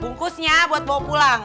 bungkusnya buat bawa pulang